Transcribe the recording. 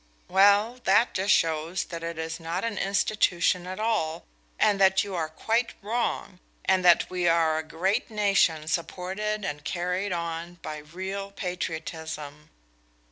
"Well, that just shows that it is not an institution at all, and that you are quite wrong, and that we are a great nation supported and carried on by real patriotism."